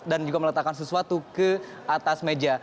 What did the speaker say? dan sesuatu ke atas meja